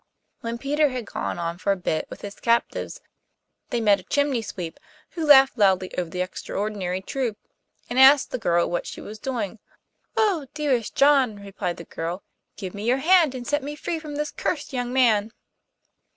When Peter had gone on for a bit with his captives, they met a chimney sweep, who laughed loudly over the extraordinary troop, and asked the girl what she was doing. 'Oh, dearest John,' replied the girl, 'give me your hand and set me free from this cursed young man.